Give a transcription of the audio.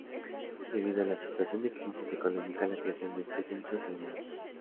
Debido a la situación de crisis económica, la creación de este centro se demoró.